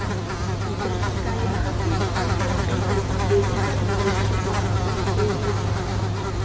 Здэщыса я хэкум кхъэхэр къинэт, езыхэр нэгъуэщӀ щӀыпӀэ Ӏэпхъуэн хуей хъурт.